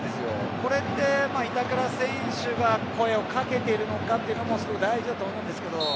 これって、板倉選手が声をかけているのかというのもすごく大事だと思うんですけど。